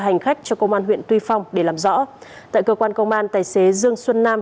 hành khách cho công an huyện tuy phong để làm rõ tại cơ quan công an tài xế dương xuân nam